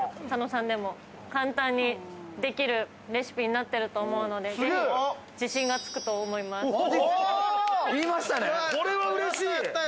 佐野さんでも簡単にできるレシピになっていると思うので、自信がつくと思います。